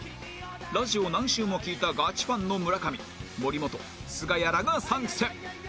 ラジオを何周も聴いたガチファンの村上森本すがやらが参戦